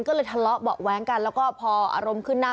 ก็เลยทะเลาะเบาะแว้งกันแล้วก็พออารมณ์ขึ้นหน้า